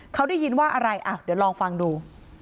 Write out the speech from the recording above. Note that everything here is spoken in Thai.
เขาได้ยินว่าอะไรเดี๋ยวลองฟังดู